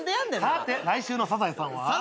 さて来週の『サザエさん』は。